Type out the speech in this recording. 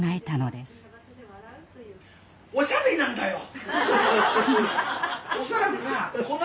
「おしゃべりなんだよ！」。